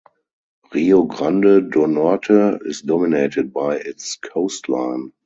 Rio Grande do Norte is dominated by its coastline.